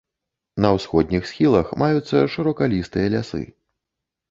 На ўсходніх схілах маюцца шыракалістыя лясы.